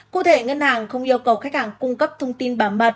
cụ thể ngân hàng không yêu cầu khách hàng cung cấp thông tin bảo mật